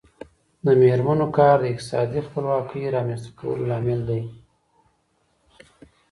د میرمنو کار د اقتصادي خپلواکۍ رامنځته کولو لامل دی.